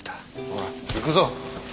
ほら行くぞ！